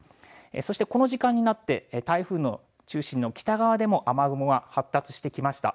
そしてこの時間になって台風の中心の北側でも雨雲が発達してきました。